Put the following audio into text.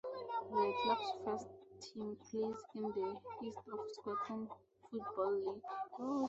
The Club's First Team plays in the East of Scotland Football League.